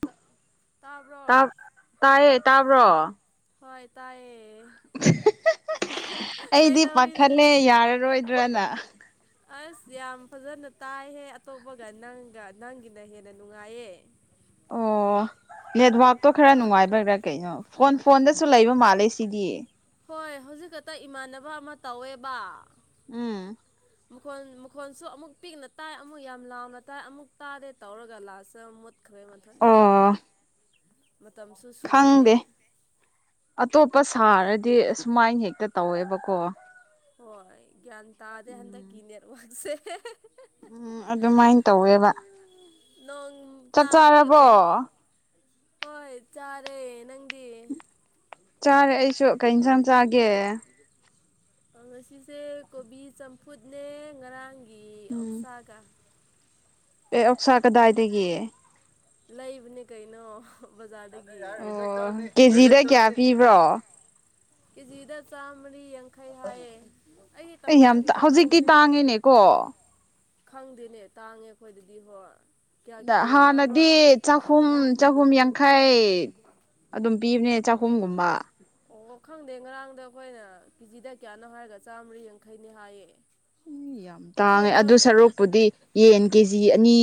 ꯄ [unintelligible] [unintelligible] ꯥ ꯇꯥꯏꯌꯦ ꯇꯥꯕ꯭ꯔꯣ ꯍꯣꯏ ꯇꯥꯏꯌꯦ ꯑꯩꯗꯤ ꯀꯩꯗꯧꯔꯤꯅꯣ ꯄꯥꯈꯠꯂꯦ ꯌꯥꯔꯔꯣꯏꯗ꯭ꯔꯅ ꯑꯁ ꯌꯥꯝ ꯐꯖꯅ ꯇꯥꯏꯍꯦ ꯑꯇꯣꯞꯄꯒ ꯅꯪꯒ ꯅꯪꯒꯤꯅ ꯍꯦꯟꯅ ꯅꯨꯡꯉꯥꯏꯌꯦ ꯑꯣ [unintelligible] ꯅꯦꯠꯋꯥꯛꯇꯣ ꯈꯔ ꯅꯨꯡꯉꯥꯏꯕꯒ꯭ꯔꯥ ꯀꯩꯅꯣ ꯐꯣꯟ ꯐꯣꯟꯗꯁꯨ ꯂꯩꯕ ꯃꯥꯜꯂꯦ ꯁꯤꯗꯤ ꯍꯣꯏ ꯍꯧꯖꯤꯛ ꯈꯛꯇ ꯏꯃꯥꯟꯅꯕ ꯑꯃ ꯇꯧꯋꯦꯕ ꯎꯝ ꯃꯈꯣꯟ ꯃꯈꯣꯟꯁꯨ ꯑꯃꯨꯛ ꯄꯤꯛꯅ ꯇꯥꯏ ꯑꯃꯨꯛ ꯌꯥꯝ ꯂꯥꯎꯅ ꯇꯥꯏ ꯑꯃꯨꯛ ꯇꯥꯗꯦ ꯇꯧꯔꯒ ꯂꯥꯁꯇ ꯃꯨꯠ ꯈ꯭ꯔꯦ ꯃꯊꯟꯇ ꯑꯣ ꯃꯇꯝꯁꯨ ꯁꯨꯗ꯭ꯔꯦ ꯈꯪꯗꯦ ꯑꯇꯣꯞꯄ ꯁꯥꯔꯗꯤ ꯑꯁꯨꯃꯥꯏ ꯍꯦꯛꯇ ꯇꯧꯋꯦꯕꯀꯣ ꯍꯣꯏ ꯒ꯭ꯌꯥꯟ ꯇꯥꯗꯦ ꯎꯝ ꯍꯟꯗꯛꯀꯤ ꯅꯦꯠꯋꯥꯛꯁꯦ ꯎꯝ ꯑꯗꯨꯃꯥꯏꯅ ꯇꯧꯋꯦꯕ ꯅꯣꯡ ꯆꯥꯛ ꯇꯥꯕꯒꯤ ꯆꯥꯔꯕꯣ ꯑꯣꯏ ꯍꯣꯏ ꯆꯥꯔꯦ ꯅꯪꯗꯤ ꯆꯥꯔꯦ ꯑꯩꯁꯨ ꯀꯩ ꯌꯦꯟꯁꯥꯡ ꯆꯥꯒꯦ ꯉꯁꯤꯁꯦ ꯀꯣꯕꯤ ꯆꯝꯐꯨꯠꯅꯦ ꯉꯔꯥꯡꯒꯤ ꯎꯝ ꯑꫭꯛꯁꯥꯒ ꯑꯦ ꯑꯣꯛꯁꯥ ꯀꯗꯥꯏꯗꯒꯤ ꯂꯩꯕꯅꯦ ꯀꯩꯅꯣ ꯕꯖꯥꯔꯗꯒꯤ ꯑꯣ ꯀꯦꯖꯤꯗ ꯀꯌꯥ ꯄꯤꯕ꯭ꯔꯣ ꯀꯦꯖꯤꯗꯥ ꯆꯃꯔꯤ ꯌꯥꯡꯈꯩ ꯍꯥꯏꯌꯦ ꯑꯩꯒꯤ ꯑꯩ ꯌꯥꯝ ꯇꯪꯈꯥꯏꯈꯛꯇ ꯍꯧꯖꯤꯛꯇꯤ ꯂꯧꯕꯅꯤ ꯇꯥꯡꯉꯦꯅꯦꯀꯣ ꯈꯪꯗꯦꯅꯦ ꯇꯥꯡꯉꯦ ꯑꯩꯈꯣꯏꯗꯗꯤ ꯍꯣꯏ ꯀꯌꯥ ꯑ ꯀꯌꯥ ꯌꯣꯟꯅꯕ꯭ꯔꯣ ꯍꯥꯟꯅꯗꯤ ꯆ [unintelligible] ꯆꯍꯨꯝ ꯆꯍꯨꯝ ꯌꯥꯡꯈꯩ ꯑꯗꯨꯝ ꯄꯤꯕꯅꯦ ꯆꯍꯨꯝꯒꯨꯝꯕ ꯑꯣ ꯈꯪꯗꯦ ꯉꯔꯥꯡꯗ ꯑꯩꯈꯣꯏꯅ ꯀꯦꯖꯤꯗ ꯀꯌꯥꯅꯣ ꯍꯥꯏꯔꯒ ꯆꯥꯝꯃꯔꯤ ꯌꯥꯡꯈꯩꯅꯤ ꯍꯥꯏꯌꯦ ꯌꯥꯝ ꯇꯥꯡꯉꯦ ꯑꯩꯈꯣꯏꯗ ꯑꯗꯨ ꯁꯔꯨꯛꯄꯨꯗꯤ ꯌꯦꯟ ꯀꯦꯖꯤ ꯑꯅꯤ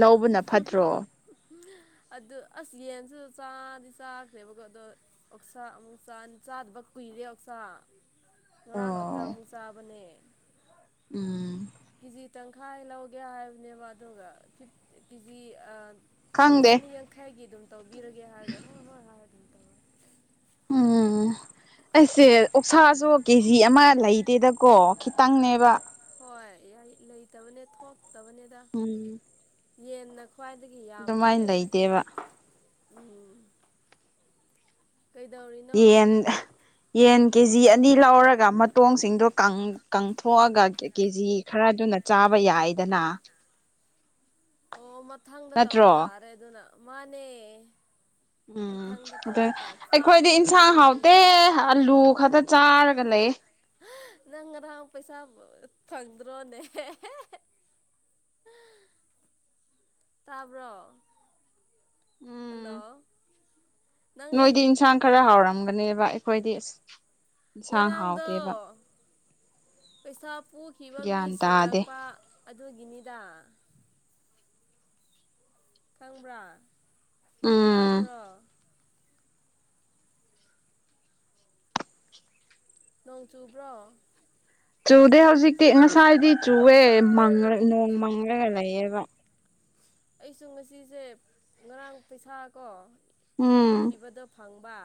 ꯂꯧꯕꯅ ꯐꯠꯇ꯭ꯔꯣ [unintelligible] ꯑꯗꯨ ꯑꯁ ꯌꯦꯟꯁꯨ ꯆꯥꯗꯤ ꯆꯥꯈ꯭ꯔꯦꯕꯀꯣ ꯑꯗꯣ ꯑꯣꯛꯁꯥ ꯑꯃꯨꯛ ꯆ ꯆꯥꯗꯕ ꯀꯨꯏꯔꯦ ꯑꯣꯛꯁꯥ ꯉꯔꯥꯡ ꯈꯛꯇ ꯑꯣ ꯑꯃꯨꯛ ꯆꯥꯕꯅꯦ ꯎꯝ ꯀꯦꯖꯤ ꯇꯪꯈꯥꯏ ꯂꯧꯒꯦ ꯍꯥꯏꯕꯅꯦꯕ ꯑꯗꯨꯒꯤ ꯀꯦꯖꯤ ꯈꯪꯗꯦ ꯆꯅꯤ ꯌꯥꯡꯈꯩꯒꯤ ꯑꯗꯨꯝ ꯇꯧꯕꯤꯔꯒꯦ ꯍꯥꯏꯔꯒ ꯍꯣꯏ ꯍꯣꯏ ꯍ ꯑꯗꯨꯝ ꯇꯧꯔꯒꯦ ꯎꯝ ꯑꯩꯁꯦ ꯑꯣꯛꯁꯥꯁꯨ ꯀꯦ ꯖꯤ ꯑꯃ ꯂꯩꯇꯦꯗꯀꯣ ꯈꯤꯇꯪꯅꯦꯕ ꯍꯣꯏ ꯂꯩꯇꯕꯅꯦ ꯊꯣꯛꯇꯕꯅꯦꯗ ꯎꯝ ꯌꯦꯟꯅ ꯈ꯭ꯋꯥꯏꯗꯒꯤ ꯌꯥꯝꯕꯅꯦ ꯑꯗꯨꯃꯥꯏꯅ ꯂꯩꯇꯦꯕ ꯎꯝ ꯀꯩꯗꯧꯔꯤ ꯌꯦꯟ ꯌꯦꯟ ꯀꯦ ꯖꯤ ꯑꯅꯤ ꯂꯧꯔꯒ ꯃꯇꯣꯡꯁꯤꯡꯗꯣ ꯀꯪꯊꯣꯛꯑꯒ ꯀꯦꯖꯤ ꯈꯔꯗꯨꯅ ꯆꯥꯕ ꯌꯥꯏꯗꯅ ꯑꯣ ꯃꯊꯪꯗ ꯇꯧꯕ ꯅꯠꯇ꯭ꯔꯣ ꯇꯥꯔꯦ ꯑꯗꯨꯅ ꯃꯥꯅꯦ ꯃꯊꯪꯗ ꯇꯧꯕ ꯇꯥꯔꯦ ꯑꯈꯣꯏꯗꯤ ꯆꯥꯗꯕ ꯏꯟꯁꯥꯡ ꯀꯨꯏꯔꯦ ꯍꯥꯎꯇꯦ ꯑꯗꯨꯒꯤꯅꯦ ꯑꯂꯨ ꯈꯛꯇ ꯆꯥꯔꯒ ꯂꯩꯌꯦ꯫ ꯅꯪ ꯉꯔꯥꯡ ꯄꯩꯁꯥ ꯐꯪꯗ꯭ꯔꯣꯅꯦ꯫ ꯇꯥꯕ꯭ꯔꯣ ꯎꯝ ꯍꯜꯂꯣ ꯅꯪ ꯅꯣꯏꯗꯤ ꯏꯟꯁꯥꯡ ꯈꯔ ꯍꯥꯎꯔꯝꯒꯅꯤꯕ ꯑꯈꯣꯏꯗꯤ ꯑꯁ꯫ ꯏꯟꯁꯥꯡ ꯉꯔꯥꯡꯗꯣ ꯍꯥꯎꯇꯦꯕ ꯄꯩꯁꯥ ꯄꯨꯈꯤꯕ ꯃꯤ ꯒ꯭ꯌꯥꯟ ꯇꯥꯗꯦ ꯁꯤꯡꯂꯛꯄ꯫ ꯑꯗꯨꯒꯤꯅꯤꯗ ꯈꯪꯕ꯭ꯔꯥ ꯎꯝ ꯇꯥꯕ꯭ꯔꯣ ꯅꯣꯡ ꯆꯨꯕ꯭ꯔꯣ꯫ ꯆꯨꯗꯦ ꯍꯧꯖꯤꯛꯇꯤ ꯉꯁꯥꯏꯗꯤ ꯆꯨꯋꯦ ꯅꯣꯡ ꯃꯪꯂꯒ ꯂꯩꯌꯦꯕ ꯑꯩꯁꯨ ꯉꯁꯤꯁꯦ ꯉꯔꯥꯡ ꯄꯩꯁꯥꯀꯣ ꯄꯨꯈꯤꯕꯗꯣ ꯐꯪꯕ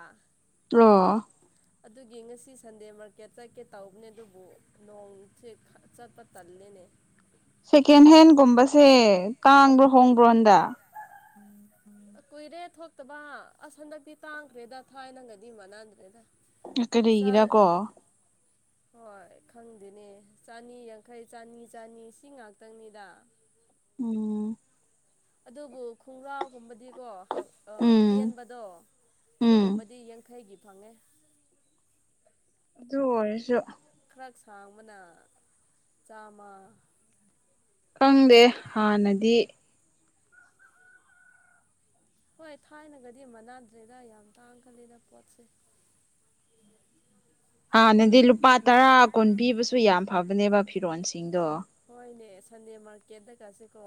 ꯇ꯭ꯔꯣ [unintelligible] ꯑꯗꯨꯒꯤ ꯉꯁꯤ ꯁꯟꯗꯦ ꯃꯥꯔꯀꯦꯠ ꯆꯠꯀꯦ ꯇꯧꯕꯅꯦ ꯑꯗꯨꯕꯨ ꯅꯣꯡꯁꯦ ꯆꯠꯄ ꯇꯜꯂꯦꯅꯦ ꯁꯦꯀꯦꯟ ꯍꯦꯟꯒꯨꯝꯕꯁꯦ ꯇꯥꯡꯕ꯭ꯔꯣ ꯍꯣꯡꯕ꯭ꯔꯣ ꯍꯟꯗꯛ ꯎꯝ ꯀꯨꯏꯔꯦ ꯊꯣꯛꯇꯕ ꯑꯁ ꯍꯟꯗꯛꯇꯤ ꯇꯥꯡꯈ꯭ꯔꯦꯗ ꯊꯥꯏꯅ ꯉꯩꯗꯤ ꯃꯥꯟꯅꯗ꯭ꯔꯦꯗ ꯑꯥ ꯀꯔꯤꯒꯤꯔ ꯀꯣ ꯍꯣꯏ ꯈꯪꯗꯦꯅꯦ ꯆꯅꯤ ꯌꯥꯡꯈꯩ ꯆꯅꯤ ꯆꯅꯤ ꯁꯤ ꯉꯥꯛꯇꯪꯅꯤꯗ ꯎꯝ ꯑꯗꯨꯕꯨ ꯈꯣꯡꯒ꯭ꯔꯥꯎꯒꯨꯝꯕꯗꯤ ꯀꯣ ꯑꯥ ꯎꯝ ꯇꯦꯟꯕꯗꯣ ꯎꯝ ꯑꯗꯨꯒꯨꯝꯕꯗꯤ ꯌꯥꯡꯈꯩꯒꯤ ꯐꯪꯉꯦ꯫ ꯑꯗꯨ ꯑꯣꯏꯔꯁꯨ꯫ ꯈꯔ ꯁꯥꯡꯕꯅ ꯆꯥꯃ꯫ ꯈꯪꯗꯦ ꯍꯥꯟꯅꯗꯤ꯫ ꯍꯣꯏ ꯊꯥꯏꯅꯒꯗꯤ ꯃꯥꯟꯅꯗ꯭ꯔꯦꯗ ꯌꯥꯝ ꯇꯥꯡ ꯈꯜꯂꯤꯗ ꯄꯣꯠꯁꯦ꯫ ꯍꯥꯟꯅꯗꯤ ꯂꯨꯄꯥ ꯇꯔꯥ ꯀꯨꯟ ꯄꯤꯕꯁꯨ ꯌꯥꯝ ꯐꯕꯅꯦꯕ ꯐꯤꯔꯣꯟꯜꯁꯤꯡꯗꯣ ꯍꯣꯏꯅꯦ ꯁꯟꯗꯦ ꯃꯥꯔꯀꯦꯠꯇ ꯀꯥꯁ‌ꯦꯀꯣ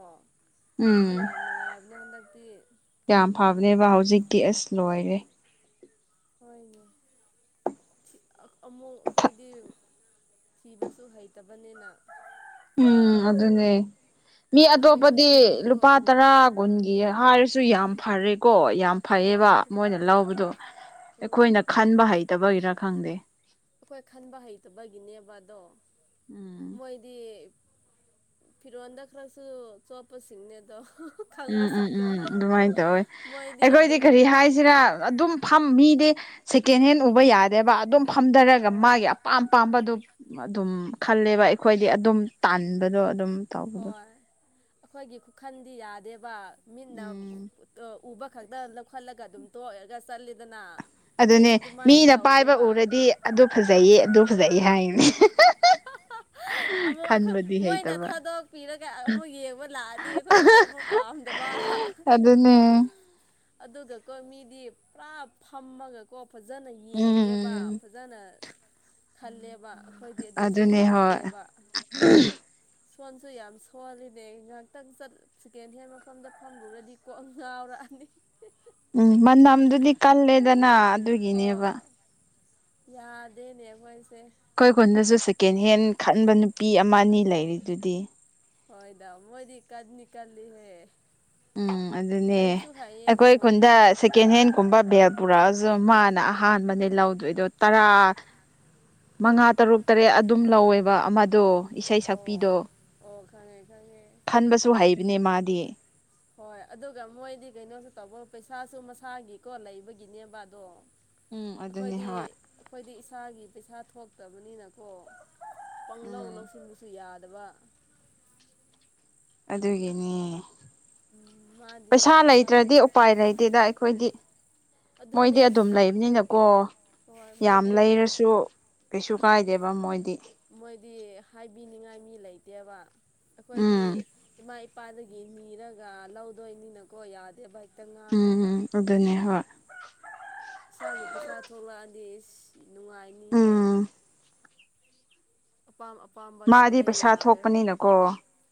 ꯆꯠꯄ ꯎꯝ ꯌꯥꯝ ꯅꯨꯡꯉꯥꯏꯕꯅꯦ ꯍꯟꯗꯛꯇꯤ꯫ ꯌꯥꯝ ꯐꯕꯅꯦꯕ ꯍꯧꯖꯤꯛꯇꯤ ꯑꯁ ꯂꯣꯏꯔꯦ꯫ ꯍꯣꯏꯅꯦ꯫ ꯑꯃꯨꯛ ꯑꯈꯣꯏꯗꯤ ꯊꯤꯕꯁꯨ ꯍꯩꯇꯕꯅꯤꯅ꯫ ꯎꯝ ꯑꯗꯨꯅꯦ ꯃꯤ ꯈꯔ ꯑꯇꯣꯞꯄꯗꯤ ꯍꯩꯕꯁꯤꯡꯗꯤꯀꯣ ꯂꯨꯄꯥ ꯇꯔꯥ ꯀꯨꯟꯒꯤ ꯍꯥꯏꯔꯁꯨ ꯌꯥꯝ ꯐꯔꯦꯀꯣ ꯌꯥꯝ꯫ ꯍꯣꯏ ꯐꯩꯌꯦꯕ ꯃꯣꯏꯅ ꯍꯣꯏ ꯂꯧꯕꯗꯣ ꯎꯝ ꯑꯈꯣꯏꯅ ꯈꯟꯕ ꯍꯩꯇꯕꯒꯤꯔ ꯈꯪꯗꯦ꯫ ꯑꯈꯣꯏ ꯈꯟꯕ ꯍꯩꯇꯕꯒꯤꯅꯦꯕ ꯑꯗꯣ ꯎꯝ ꯃꯣꯏꯗꯤ꯫ ꯐꯤꯔꯣꯟꯜꯗ ꯈꯔꯁꯨ ꯆꯣꯠꯄꯁꯤꯡꯅꯦ ꯑꯗꯣ꯫ ꯎꯝ ꯎꯝ ꯎꯝ ꯑꯗꯨꯃꯥꯏꯅ ꯇꯧꯋ‌ꯦ ꯃꯣꯏꯗꯤ ꯑꯈꯣꯏꯗꯤ ꯑꯗꯨꯝ ꯀꯔꯤ ꯍꯥꯏꯁꯤꯔ ꯑꯗꯨꯝ꯫ ꯐꯝ ꯃꯤꯗꯤ ꯁꯦꯀꯦꯟ ꯍꯦꯟ ꯎꯕ ꯌꯥꯗꯦꯕ ꯑꯗꯨꯝ ꯐꯝꯊꯔꯒ ꯍꯣꯏ ꯃꯥꯒꯤ ꯑꯄꯥꯝ ꯑꯄꯥꯝꯕꯗꯨ꯫ ꯑꯗꯨꯝ ꯈꯜꯂꯦꯕ ꯑꯈꯣꯏꯗꯤ ꯑꯗꯨꯝ ꯇꯥꯟꯕꯗꯣ ꯑꯗꯨꯝ꯫ ꯇꯧꯕꯗꯣ ꯍꯣꯏ ꯑꯈꯣꯏꯒꯤ ꯈꯨꯈꯟꯗꯤ ꯌꯥꯗꯦꯕ ꯃꯤꯠꯅ꯫ ꯎꯝ ꯎꯕ ꯈꯛꯇ ꯂꯧꯈꯠꯂꯒ ꯑꯗꯨꯝ ꯇꯣꯛꯔꯒ ꯆꯠꯂꯤꯗꯅ ꯑꯗꯨꯅꯦ ꯃꯤꯗꯤ ꯑꯗꯨꯃꯥꯏꯅ ꯃꯤꯅ ꯄꯥꯏꯕ ꯇꯧꯗꯦꯕ ꯎꯔꯗꯤ ꯑꯗꯨ ꯐꯖꯩꯌꯦ ꯑꯗꯨ ꯐꯖꯩ ꯍꯥꯏꯅꯤ ꯑꯃꯨꯛ ꯈꯟꯕꯗꯤ ꯃꯣꯏꯅ ꯍꯩꯇꯕ ꯊꯥꯗꯣꯛꯄꯤꯔꯒ ꯑꯃꯨꯛ ꯌꯦꯡꯕ ꯂꯥꯛꯑꯗꯤ ꯑꯩꯈꯣꯏꯁꯨ ꯑꯃ ꯄꯥꯝꯗꯕ ꯑꯗꯨꯅꯦ ꯑꯗꯨꯒꯀꯣ ꯃꯤꯗꯤ ꯄꯨꯔꯥ ꯐꯝꯃꯒꯀꯣ ꯐꯖꯅ ꯌꯦꯡꯉꯦꯕ ꯎꯝ ꯐꯖꯅ꯫ ꯈꯜꯂꯦꯕ ꯑꯩꯈꯣꯏꯗꯤ ꯑꯗꯨꯁꯨ ꯑꯗꯨꯅꯦ ꯍꯣꯏ ꯉꯝꯗꯦꯕ ꯁꯣꯟꯁꯨ ꯌꯥꯝ ꯁꯣꯜꯂꯤꯅꯦ ꯉꯥꯏꯍꯥꯛꯇꯪ ꯆꯠ ꯁꯦꯀꯦꯟ ꯍꯦꯟ ꯃꯐꯝꯗ ꯐꯝꯂꯨꯔꯗꯤ ꯀꯣꯛ ꯉꯥꯎꯔꯛꯑꯅꯤ꯫ ꯎꯝ ꯃꯅꯝꯗꯨꯗꯤ ꯀꯜꯂꯦꯗꯅ ꯑꯗꯨꯒꯤꯅꯦꯕ ꯍꯣꯏ ꯌꯥꯗꯦꯅꯦ ꯃꯣꯏꯁꯦ ꯑꯈꯣꯏ ꯀꯨꯟꯗꯁꯨ ꯁꯦꯀꯦꯟ ꯍꯦꯟ ꯈꯟꯕ ꯅꯨꯄꯤ ꯑꯃ ꯑꯅꯤ ꯂꯩꯔꯤꯗꯨꯗꯤ꯫ ꯍꯣꯏꯗ ꯃꯣꯏꯗꯤ ꯀꯗꯅꯤ ꯀꯜꯂꯤ ꯍꯦ ꯎꯝ ꯑꯗꯨꯅꯦ ꯑꯩꯈꯣꯏ ꯈꯨꯟꯗ ꯃꯣꯏꯗꯤ ꯁꯦꯀꯦꯟ ꯍꯦꯟ ꯀꯨꯝꯕ ꯕꯦꯜ ꯄꯨꯔꯛꯑꯁꯨ ꯃꯥꯅ ꯑꯍꯥꯟꯕꯅꯦ ꯂꯧꯗꯣꯏꯗꯣ ꯇꯔꯥ ꯃꯉꯥ ꯇꯔꯨꯛ ꯇꯔꯦꯠ ꯑꯗꯨꯝ ꯂꯧꯋꯦꯕ ꯑꯃꯗꯣ꯫ ꯏꯁꯩ ꯑꯣ ꯁꯛꯄꯤꯗꯣ ꯑꯣ ꯈꯉꯦ ꯈꯉꯦ ꯈꯟꯕꯁꯨ ꯍꯩꯕꯅꯦ ꯃꯥꯗꯤ ꯍꯣꯏ ꯑꯗꯨꯒ ꯃꯣꯏꯗꯤ ꯀꯩꯅꯣꯁꯨ ꯇꯧꯕ ꯄꯩꯁꯥꯁꯨ ꯃꯁꯥꯒꯤꯀꯣ ꯂꯩꯕꯒꯤꯅꯦꯕ ꯑꯗꯣ ꯎꯝ ꯑꯗꯨꯅꯤ ꯑꯩꯈꯣꯏꯗꯤ ꯍꯣꯏ ꯑꯩꯈꯣꯏꯗꯤ ꯏꯁꯥꯒꯤ ꯄꯩꯁꯥ ꯊꯣꯛꯇꯕꯅꯤꯅꯀꯣ ꯄꯥꯡ ꯂꯧ ꯎꯝ ꯂꯧꯁꯟꯕꯁꯨ ꯌꯥꯗꯕ ꯑꯗꯨꯒꯤꯅꯦ ꯎꯝ ꯃꯥꯗꯤ ꯄꯩꯁꯥ ꯃꯁꯥ ꯂꯩꯇ꯭ꯔꯗꯤ ꯎꯄꯥꯏ ꯂꯩꯇꯦꯗ ꯑꯩꯈꯣꯏꯗꯤ ꯃꯣꯏꯗꯤ ꯑꯗꯨꯅꯦ ꯑꯗꯨꯝ ꯂꯩꯕꯅꯤꯅꯀꯣ ꯍꯣꯏ ꯌꯥꯝ ꯃꯣꯏꯗꯤ ꯂꯩꯔꯁꯨ ꯀꯩꯁꯨ ꯀꯥꯏꯗꯦꯕ ꯃꯣꯏꯗꯤ ꯃꯣꯏꯗꯤ ꯍꯥꯏꯕꯤꯅꯤꯡꯉꯥꯏ ꯃꯤ ꯂꯩꯇꯦꯕ ꯑꯩꯈꯣꯏꯗꯤ ꯎꯝ ꯏꯃꯥ ꯅꯨꯄꯥꯗꯒꯤ ꯅꯤꯔꯒ ꯂꯧꯗꯣꯏꯅꯤꯅꯀꯣ ꯌꯥꯗꯦꯕ ꯍꯦꯛꯇ ꯉꯥꯡꯉꯦꯕ ꯑꯗꯨꯅꯤ ꯍꯣꯏ ꯏꯁꯥꯒꯤ ꯄꯩꯁꯥ ꯊꯣꯛꯂꯛꯑꯗꯤ ꯅꯨꯡꯉꯥꯏꯅꯤꯍꯦ ꯎꯝ ꯑꯄꯥꯝ ꯑꯄꯥꯝꯕ ꯑꯗꯨꯝ ꯃꯥꯗꯤ ꯂꯩ ꯄꯩꯁꯥ ꯌꯥꯔꯦ ꯊꯣꯛꯄꯅꯤꯅꯀꯣ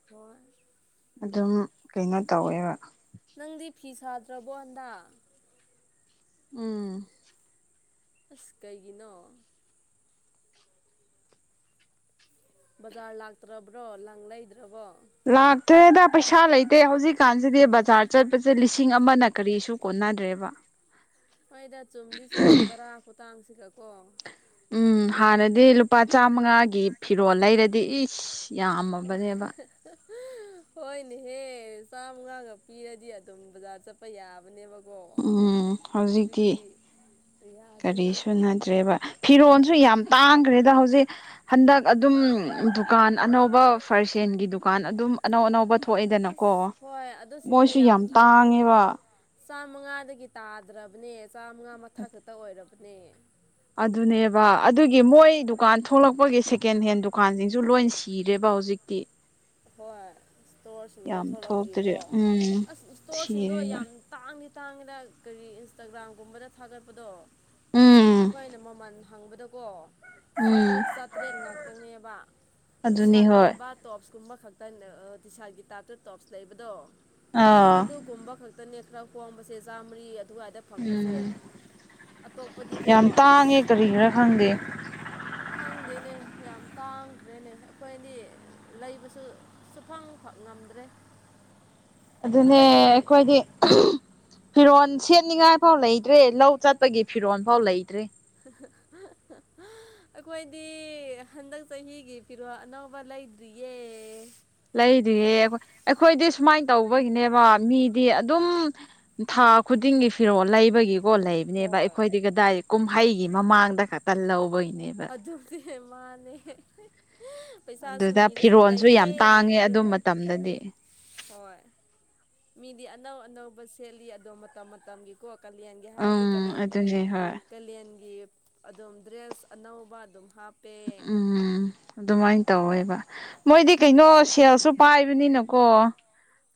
ꯍꯣꯏ ꯑꯗꯨꯝ ꯀꯩꯅꯣ ꯇꯧꯋꯦꯕ ꯅꯪꯗꯤ ꯐꯤ ꯁꯥꯗ꯭ꯔꯕꯣꯗ ꯍꯟꯗꯛ ꯎꯝ ꯑꯁ ꯀꯩꯒꯤꯅꯣ ꯕꯖꯥꯔ ꯂꯥꯛꯇ꯭ꯔꯕ꯭ꯔꯣ ꯂꯪ ꯂꯩꯗ꯭ꯔꯕꯣ ꯂꯥꯛꯇ꯭ꯔꯦꯗ ꯄꯩꯁꯥ ꯂꯩꯇꯦ ꯍꯧꯖꯤꯛꯀꯥꯟꯁꯤꯗꯤ ꯕꯖꯥꯔ ꯆꯠꯄꯁꯦ ꯂꯤꯁꯤꯡ ꯑꯃꯅ ꯀꯔꯤꯁꯨ ꯀꯣꯟꯅꯗ꯭ꯔꯦꯕ ꯍꯣꯏꯗ ꯆꯨꯝꯗꯤ ꯆꯨꯝꯃꯦ ꯚꯔꯥ ꯈꯨꯇꯥꯡꯁꯤꯒꯀꯣ ꯎꯝ ꯍꯥꯟꯅꯗꯤ ꯂꯨꯄꯥ ꯆꯥꯃꯉꯥꯒꯤ ꯐꯤꯔꯣꯜ ꯂꯩꯔꯗꯤ ꯏꯁ ꯌꯥꯝꯃꯕꯅꯦꯕ [unintelligible] ꯍꯣꯏꯅꯦꯍꯦ ꯆꯥꯝꯃꯉꯥꯒ ꯄꯤꯔꯗꯤ ꯑꯗꯨꯝ ꯕꯖꯥꯔ ꯆꯠꯄ ꯌꯥꯕꯅꯦꯕ ꯎꯝ ꯍꯧꯖꯤꯛꯇꯤ ꯀꯔꯤ ꯌꯥꯗ꯭ꯔꯦꯅꯦ ꯁꯨꯅꯗ꯭ꯔꯦꯕ ꯐꯤꯔꯣꯜꯁꯨ ꯌꯥꯝ ꯇꯥꯡꯈ꯭ꯔꯦꯗ ꯍꯧꯖꯤꯛ ꯍꯟꯗꯛ ꯑꯗꯨꯝ ꯗꯨꯀꯥꯟ ꯑꯅꯧꯕ ꯐ꯭ꯔꯁ ꯍꯦꯟꯒꯤ ꯗꯨꯀꯥꯟ ꯑꯗꯨꯝ ꯑꯅꯧ ꯑꯅꯧꯕ ꯑꯁ ꯊꯣꯛꯑꯦꯗꯅꯀꯣ ꯍꯣꯏ ꯑꯗꯨꯁꯤꯡꯗꯣ ꯃꯣꯏꯁꯨ ꯌꯥꯝ ꯇꯥꯡ ꯇꯥꯡꯉꯦꯕ ꯆꯥꯝꯃꯉꯥꯗꯒꯤ ꯇꯥꯗ꯭ꯔꯕꯅꯦ ꯆꯥꯝꯃꯉꯥ ꯃꯊꯛ ꯈꯛꯇ ꯑꯣꯏꯔꯕꯅꯦ ꯑꯗꯨꯅꯦꯕ ꯑꯗꯨꯒꯤ ꯃꯣꯏ ꯗꯨꯀꯥꯟ ꯊꯣꯛꯂꯛꯄꯒꯤ ꯁꯦꯀꯦꯟ ꯍꯦꯟ ꯗꯨꯀꯥꯟꯁꯤꯡꯁꯨ ꯂꯣꯏ ꯁꯤꯔꯦꯕ ꯍꯧꯖꯤꯛꯇꯤ ꯍꯣꯏ ꯏꯁꯇꯣꯔꯁꯤꯡꯗꯣ ꯌꯥꯝ ꯊꯣꯛꯂꯛꯄꯒꯤꯀꯣ ꯊꯣꯛꯇ꯭ꯔꯦ ꯎꯝ ꯑꯁ ꯏꯁꯇꯣꯔꯁꯤꯡꯗꯣ ꯁꯤꯔꯦꯕ ꯌꯥꯝ ꯇꯥꯡꯗꯤ ꯇꯥꯡꯉꯦꯗ ꯀꯔꯤ ꯏꯟꯁꯇꯥꯒ꯭ꯔꯥꯝꯒꯨꯝꯕꯗ ꯊꯥꯒꯠꯄꯗꯣ ꯎꯝ ꯑꯩꯈꯣꯏꯅ ꯃꯃꯜ ꯍꯪꯕꯗꯀꯣ ꯎꯝ ꯆꯥꯇ꯭ꯔꯨꯛ ꯆꯥꯇ꯭ꯔꯦꯠ ꯉꯥꯛꯇꯪꯅꯦꯕ ꯇꯤ ꯑꯗꯨꯅꯤ ꯍꯣꯏ ꯁꯥꯔꯠꯀꯨꯝꯕ ꯇꯣꯞꯁ ꯀꯨꯝꯕ ꯈꯛꯇ ꯇꯤꯁꯥꯔꯠꯀꯤ ꯇꯥꯏꯞꯇ ꯇꯣꯞꯁ ꯂꯩꯕꯗꯣ ꯑꯥ ꯑꯗꯨ ꯀꯨꯝꯕ ꯈꯛꯇꯅꯦ ꯈꯔ ꯈꯣꯝꯕꯁꯦ ꯆꯥꯝꯃꯔꯤ ꯑꯗꯨꯋꯥꯏꯗ ꯐꯪꯕꯁꯦ ꯎꯝ ꯑꯇꯣꯞꯄꯗꯤꯀꯣ ꯌꯥꯝ ꯏꯁ ꯇꯥꯡꯉꯦ ꯀꯔꯤꯒꯤꯔꯥ ꯈꯪꯗꯦ ꯈꯪꯗꯦꯅꯦ ꯌꯥꯝ ꯇꯥꯡꯈ꯭ꯔꯦꯅꯦ ꯑꯩꯈꯣꯏꯗꯤ ꯂꯩꯕꯁꯨ ꯁꯨꯐꯪ ꯉꯝꯗ꯭ꯔꯦ ꯑꯗꯨꯅꯦ ꯍꯟꯗꯛꯀꯤ ꯑꯩꯈꯣꯏꯗꯤ ꯐꯤꯔꯣꯜ ꯁꯦꯠꯅꯤꯉꯥꯏ ꯐꯥꯎ ꯂꯩꯇ꯭ꯔꯦ ꯂꯧ ꯆꯠꯄꯒꯤ ꯐꯤꯔꯣꯜ ꯐꯥꯎ ꯂꯩꯇ꯭ꯔꯦ [unintelligible] ꯑꯩꯈꯣꯏꯗꯤ ꯍꯟꯗꯛ ꯆꯍꯤꯒꯤ ꯐꯤꯔꯣꯜ ꯑꯅꯧꯕ ꯂꯩꯗ꯭ꯔꯤꯌꯦ ꯂꯩꯗꯤꯌꯦ ꯑꯩꯈꯣꯏꯗꯤ ꯁꯨꯃꯥꯏꯅ ꯇꯧꯕꯒꯤꯅꯦꯕ ꯃꯤꯗꯤ ꯑꯗꯨꯝ ꯊꯥ ꯈꯨꯗꯤꯡꯒꯤ ꯐꯤꯔꯣꯜ ꯂꯩꯕꯒꯤꯀꯣ ꯂꯩꯕ ꯅꯦꯕ ꯍꯣꯏ ꯑꯩꯈꯣꯏꯗꯤ ꯀꯗꯥꯏ ꯀꯨꯝꯍꯩꯒꯤ ꯃꯃꯥꯡꯗ ꯈꯛꯇ ꯂꯧꯕꯒꯤꯅꯦꯕ ꯑꯗꯨꯗꯤ ꯃꯥꯅꯦ ꯄꯩꯁꯥꯁꯨ ꯑꯗꯨꯗ ꯅꯤꯔꯁꯨ ꯐꯤꯔꯣꯜꯁꯨ ꯂꯩꯇꯦ ꯌꯥꯝ ꯇꯥꯡꯉꯦ ꯂꯩꯇꯦ ꯑꯗꯨ ꯍꯥꯏ ꯃꯇꯝꯗꯗꯤ ꯍꯣꯏ ꯃꯤꯗꯤ ꯑꯅꯧ ꯑꯅꯧꯕ ꯁꯦꯠꯂꯤ ꯑꯗꯣ ꯃꯇꯝ ꯃꯇꯝꯒꯤ ꯀꯣꯛ ꯀꯥꯌꯥꯡꯒꯤ ꯍꯥꯏꯔꯗꯤ ꯎꯝ ꯀꯂꯌꯥꯡꯒꯤ ꯑꯗꯨꯅꯦ ꯍꯣꯏ ꯀꯥꯂꯦꯟꯒꯤ ꯑꯗꯨꯝ ꯗ꯭ꯔꯦꯁ ꯑꯅꯧꯕ ꯑꯗꯨꯝ ꯍꯥꯞ ꯎꯝ ꯑꯗꯨꯃꯥꯏꯅ ꯇꯧꯋꯦꯕ ꯃꯣꯏꯗꯤ ꯀꯩꯅꯣ ꯑꯩꯈꯣꯏꯗꯤ ꯁꯦꯜꯁꯨ ꯄꯥꯏꯕꯅꯤꯅꯀꯣ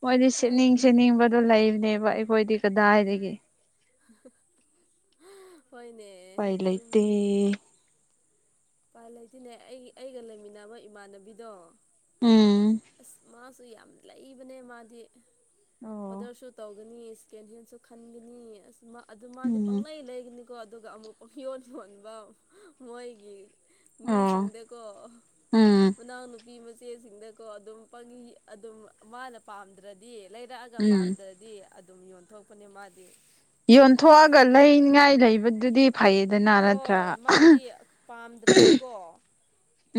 ꯃꯣꯏꯗꯤ ꯍꯣꯏ ꯁꯦꯠꯅꯤꯡ ꯁꯦꯠꯅꯤꯡꯕ ꯑꯗꯨ ꯂꯩꯕꯅꯦꯕ ꯑꯩꯈꯣꯏꯗꯤ ꯀꯗꯥꯏꯗꯒꯤ ꯍꯣꯏꯅꯦ ꯎꯄꯥꯏ ꯂꯩꯇꯦ ꯆꯨꯝꯃꯤꯅꯦ ꯎꯄꯥꯥꯏ ꯂꯩꯇꯅꯦ ꯑꯩꯒꯤ ꯑꯩꯒ ꯂꯩꯃꯤꯟꯅꯕ ꯏꯃꯥꯟꯅꯕꯤꯗꯣ ꯎꯝ ꯑꯁ ꯃꯥꯁꯨ ꯌꯥꯝ ꯂꯩꯕꯅꯦ ꯃꯥꯗꯤ ꯑꯣ ꯑꯣꯗꯔꯁꯨ ꯇꯧꯒꯅꯤ ꯁꯀꯦꯟ ꯍꯦꯟꯁꯨ ꯈꯟꯈꯤꯅꯤ ꯑꯗꯨ ꯃꯥꯗꯤ ꯎꯝ ꯄꯪꯂꯂꯩ ꯂꯩꯒꯅꯤ ꯀꯣ ꯑꯗꯨꯒ ꯑꯃꯨꯛꯀ ꯌꯣꯟ ꯌꯣꯟꯕ ꯃꯣꯏꯒꯤ ꯑꯣ ꯃꯤꯁꯤꯡꯗꯀꯣ ꯎꯝ ꯃꯅꯥꯎ ꯅꯨꯨꯄꯤ ꯃꯆꯦꯁꯤꯡꯗ ꯀꯣ ꯑꯗꯨꯝ ꯑꯗꯨꯝ ꯃꯥꯅ ꯄꯥꯝꯗ꯭ꯔꯗꯤ ꯂꯩꯔꯛꯑꯒ ꯎꯝ ꯄꯥꯝꯗ꯭ꯔꯗꯤ ꯑꯗꯨꯝ ꯌꯣꯟꯊꯣꯛꯄꯅꯦ ꯃꯥꯗꯤ ꯌꯣꯟꯊꯣꯛꯑꯒ ꯂꯩꯅꯤꯡꯉꯥꯏ ꯂꯩꯕꯗꯨꯗꯤ ꯐꯩꯌꯦꯗꯅ ꯅꯠꯇ꯭ꯔꯥ ꯍꯣꯏ ꯃꯥꯗꯤ ꯄꯥꯝꯗ꯭ꯔꯗꯤꯀꯣ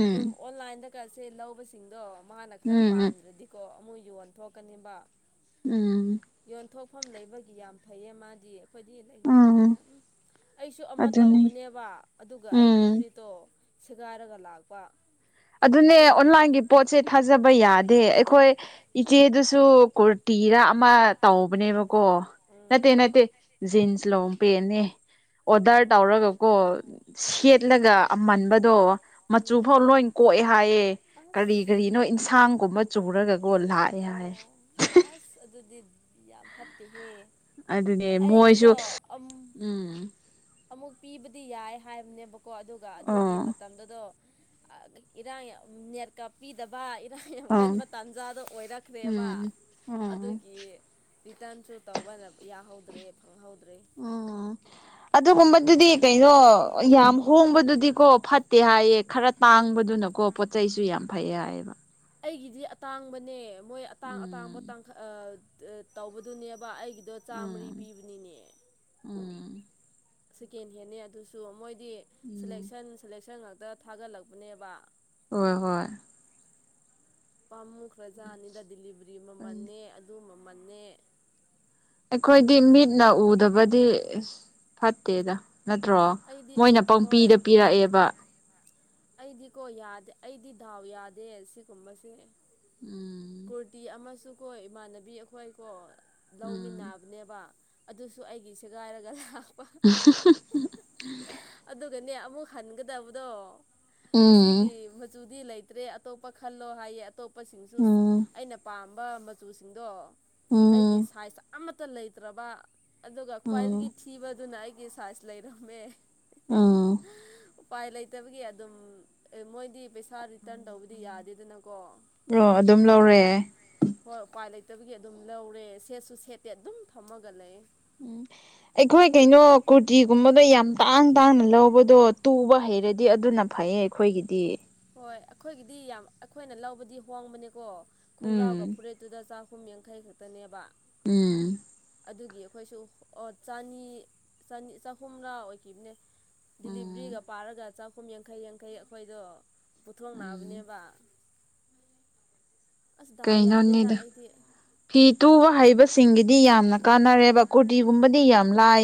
ꯎꯝ ꯑꯗꯨꯝ ꯑꯣꯟꯂꯥꯏꯟꯗ ꯀꯠꯁꯦ ꯂꯧꯕꯁꯤꯡꯗꯣ ꯃꯥꯅ ꯈꯔ ꯎꯝ ꯄꯥꯝꯗ꯭ꯔꯗꯤꯀꯣ ꯑꯃꯨꯛ ꯌꯣꯟꯊꯣꯛꯀꯅꯦꯕ ꯎꯝ ꯌꯣꯟꯊꯣꯛꯐꯝ ꯂꯩꯕꯒꯤ ꯌꯥꯝ ꯐꯩꯌꯦ ꯃꯥꯗꯤ ꯑꯩꯈꯣꯏꯗꯤ ꯂꯩꯇꯕꯅꯤꯅ ꯎꯝ ꯑꯩꯁꯨ ꯑꯃ ꯑꯗꯨꯅꯤ ꯇꯧꯕꯅꯦꯕ ꯑꯗꯨꯒ ꯑꯩꯒꯤ ꯎꯝ ꯐꯨꯔꯤꯠꯇꯣ ꯁꯦꯒꯥꯏꯔꯒ ꯂꯥꯛꯄ ꯑꯗꯨꯅꯦ ꯁꯦꯒꯥꯏ ꯑꯣꯟꯂꯥꯏꯟꯒꯤ ꯄꯣꯠꯁꯦ ꯊꯥꯖꯕ ꯌꯥꯗꯦ ꯑꯩꯈꯣꯏ ꯏꯆꯦꯗꯨꯁꯨ ꯀꯨꯔꯇꯤꯔꯥ ꯑꯃ ꯇꯧꯕꯅꯦꯕꯀꯣ ꯅꯠꯇ ꯎꯝ ꯅꯠꯇ ꯖꯤꯟꯁ ꯂꯣꯡ ꯄꯦꯅꯦ ꯑꯣꯗꯔ ꯑꯣ ꯇꯧꯔꯒꯀꯣ ꯁꯦꯠꯂꯒ ꯑꯃꯟꯕꯗꯣ ꯃꯆꯨ ꯎꯝ ꯎꯝ ꯐꯥꯎ ꯂꯣꯏ ꯀꯣꯛꯑꯦ ꯍꯥꯏꯌꯦꯦ ꯑꯁ ꯀꯔꯤ ꯀꯔꯤꯅꯣ ꯏꯟꯁꯥꯡꯒꯨꯝꯕ ꯆꯨꯔꯒꯒꯣ ꯂꯥꯛꯑꯦ ꯍꯥꯏꯌꯦ ꯑꯣ ꯑꯁ ꯑꯗꯨꯗꯤ ꯌꯥꯝ ꯐꯠꯇꯦꯍꯦ ꯑꯗꯨꯅꯦ ꯑꯩꯒꯤꯗꯣ ꯃꯣꯏꯁꯨ ꯎꯝ ꯑꯃꯨꯛ ꯄꯤꯕꯗꯤ ꯌꯥꯏ ꯍꯥꯏꯕꯅꯦꯕꯀꯣ ꯑꯗꯨꯒ ꯑꯗꯨꯒꯤ ꯑꯥ ꯃꯇꯝꯗꯨꯗꯣ ꯏꯔꯥꯡ ꯌꯥꯀꯥ ꯄꯤꯗꯕ ꯏꯔꯥꯡ ꯌꯥꯝ ꯑꯥ ꯀꯟꯕ ꯇꯥꯟꯖꯥꯗꯣ ꯑꯣꯏꯔꯛꯈ꯭ꯔꯦꯕ ꯎꯝ ꯎꯝ ꯑꯗꯨꯒꯤ ꯔꯤꯇꯔꯟꯁꯨ ꯇꯧꯕꯅ ꯌꯥꯍꯧꯗ꯭ꯔꯦ ꯐꯪꯍꯧꯗ꯭ꯔꯦ ꯎꯝ ꯑꯗꯨꯒꯨꯝꯕꯗꯨꯗꯤ ꯀꯩꯅꯣ ꯌꯥꯝ ꯍꯣꯡꯕꯗꯨꯗꯤꯀꯣ ꯐꯠꯇꯦ ꯍꯥꯏꯌꯦ ꯈꯔ ꯇꯥꯡꯕꯗꯨꯅꯀꯣ ꯄꯣꯠ ꯆꯩꯁꯨ ꯌꯥꯝ ꯐꯩꯌꯦ ꯍꯥꯏꯌꯦꯕ ꯑꯩꯒꯤꯗꯤ ꯑꯇꯥꯡꯕꯅꯦ ꯃꯣꯏ ꯑꯇꯥꯡ ꯎꯝ ꯑꯇꯥꯡꯕ ꯇꯥꯡꯈꯛ ꯇꯧꯕꯗꯨꯅꯦꯕ ꯑꯩꯒꯤꯗꯣ ꯆꯥꯝꯃꯔꯤ ꯎꯝ ꯄꯤꯕꯅꯤꯅꯦ ꯎꯝ ꯁꯦꯀꯦꯟ ꯍꯦꯟꯅꯦ ꯑꯗꯨꯁꯨ ꯃꯣꯏꯗꯤ ꯎꯝ ꯁꯦꯂꯦꯛꯁꯟ ꯁꯦꯂꯦꯛꯁꯟ ꯉꯥꯛꯇ ꯊꯥꯒꯠꯂꯛꯄꯅꯦꯕ ꯍꯣꯏ ꯍꯣꯏ ꯄꯥꯝꯃꯨꯈ꯭ꯔꯖꯥꯅꯤꯗ ꯗꯗꯤꯂꯤꯚꯔꯤ ꯃꯃꯜꯅꯦ ꯑꯗꯨ ꯃꯃꯜꯟꯅꯦ ꯑꯩꯈꯣꯏꯗꯤ ꯃꯤꯠꯅ ꯎꯗꯕꯗꯤ ꯐꯠꯇꯦꯗ ꯅꯠꯇ꯭ꯔꯣ ꯑꯩꯗꯤ ꯃꯣꯏꯅ ꯍꯣꯏ ꯄꯪꯄꯤꯗ ꯄꯤꯔꯛꯑꯦꯕ ꯑꯩꯗꯤꯀꯣ ꯌꯥꯗꯦ ꯑꯩꯗꯤ ꯗꯥꯎ ꯌꯥꯗꯦ ꯁꯤꯒꯨꯝꯕꯁꯦ ꯎꯝ ꯀꯨꯔꯇꯤ ꯑꯃꯁꯨ ꯀꯣ ꯏꯃꯥꯟꯅꯕꯤ ꯑꯩꯈꯣꯏ ꯀꯣ ꯂꯧꯃꯤꯟꯅꯕ ꯎꯝ ꯑꯗꯨꯅꯦꯕ ꯑꯗꯨꯁꯨ ꯑꯩꯒꯤ ꯁꯦꯒꯥꯏꯔꯒ ꯂꯥꯛꯄ ꯑꯗꯨꯒꯅꯦ ꯑꯃꯨꯛ ꯍꯟꯒꯗꯕꯗꯣ ꯎꯝ ꯑꯁꯤꯒꯤ ꯆꯨꯗꯤ ꯂꯩꯇ꯭ꯔꯦ ꯑꯇꯣꯞꯄ ꯈꯜꯂꯣ ꯍꯥꯏꯌꯦ ꯑꯇꯣꯞꯄꯁꯤꯡꯁꯨ ꯑꯩꯅ ꯄꯥꯝꯕ ꯃꯆꯨꯁꯤꯡꯗꯣ ꯎꯝ ꯑꯩꯒꯤ ꯎꯝ ꯁꯥꯏꯖ ꯑꯃꯠꯇ ꯂꯩꯇ꯭ꯔꯕ ꯑꯗꯨꯒ ꯈ꯭ꯋꯥꯏꯗꯒꯤ ꯎꯝ ꯊꯤꯕꯗꯨꯅ ꯑꯩꯒꯤ ꯁꯥꯏꯖ ꯂꯩꯔꯝꯃꯦ ꯎꯝ ꯎꯄꯥꯏ ꯂꯩꯇꯕꯒꯤ ꯑꯗꯨꯝ ꯑꯦ ꯃꯣꯏꯗꯤ ꯄꯩꯁꯥ ꯔꯤꯇꯔꯟ ꯇꯧꯕꯗꯤ ꯌꯥꯗꯦꯗꯅꯀꯣ ꯔꯣ ꯑꯗꯨꯝ ꯂꯧꯔꯦ ꯍꯣꯏ ꯎꯄꯥꯏ ꯂꯩꯇꯕꯒꯤ ꯑꯗꯨꯝ ꯂꯧꯔꯦ ꯁꯦꯠꯁꯨ ꯁꯦꯠꯇꯦ ꯑꯗꯨꯝ ꯊꯝꯃꯒ ꯂꯩ ꯎꯝ ꯑꯩꯈꯣꯏ ꯀꯩꯅꯣ ꯀꯨꯔꯇꯤꯒꯨꯝꯕꯗꯣ ꯌꯥꯝ ꯇꯥꯡ ꯇꯥꯡꯅ ꯂꯧꯕꯗꯣ ꯇꯨꯕ ꯍꯩꯔꯗꯤ ꯑꯗꯨꯅ ꯐꯩꯌꯦ ꯑꯩꯈꯣꯏꯒꯤꯗꯤ ꯍꯣꯏ ꯑꯩꯈꯣꯏꯒꯤꯗꯤ ꯌꯥꯝ ꯑꯩꯈꯣꯏꯅ ꯂꯧꯕꯗꯤ ꯍꯣꯡꯕꯅꯦꯀꯣ ꯎꯝ ꯈꯣꯡꯒ꯭ꯔꯥꯎꯒ ꯐꯨꯔꯤꯠ ꯑꯗꯨꯗ ꯆꯥꯛꯍꯨꯝ ꯌꯥꯡꯈꯩ ꯈꯛꯇꯅꯦꯕ ꯎꯝ ꯑꯗꯨꯒꯤ ꯑꯩꯈꯣꯏꯁꯨ ꯑꯣ ꯆꯅꯤꯅꯤ ꯆꯍꯨꯝꯔꯥ ꯑꯣꯏꯈꯤꯕꯅꯦ ꯎꯝ ꯗꯤꯂꯤꯕꯔꯤꯒ ꯄꯥꯔꯒ ꯆꯍꯨꯝ ꯌꯥꯡꯈꯩ ꯌꯥꯡꯈꯩ ꯑꯩꯈꯣꯏꯗꯣ ꯎꯝ ꯄꯨꯊꯣꯛꯅꯕꯅꯦꯕ ꯑꯁ ꯗꯥꯎ ꯌꯥꯗꯦꯗ ꯀꯩꯅꯣꯅꯤꯗ ꯑꯩꯗꯤ ꯐꯤ ꯇꯨꯕ ꯍꯩꯕꯁꯤꯡꯒꯤꯗꯤ ꯌꯥꯝꯅ ꯀꯥꯟꯅꯔꯦꯕ ꯀꯨꯔꯇꯤꯒꯨꯝꯕꯗꯤ ꯌꯥꯝ ꯂꯥꯏ